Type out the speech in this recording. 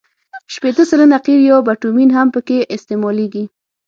شپېته سلنه قیر یا بټومین هم پکې استعمالیږي